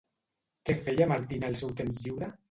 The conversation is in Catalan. Què feia Martí en el seu temps lliure?